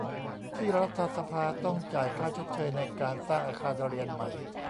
ที่รัฐสภาต้องจ่ายค่าชดเชยในการสร้างอาคารเรียนใหม่